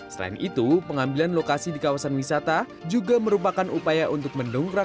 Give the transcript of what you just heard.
selain itu pengambilan lokasi di kawasan wisata juga merupakan upaya untuk mendongkrak